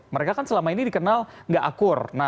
mereka kan selama ini dikenal tidak akur